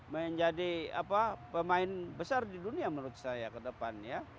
menjadi pemain besar di dunia menurut saya ke depan ya